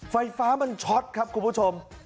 ไฟฟ้ามันช็อตครับคุณผู้ชม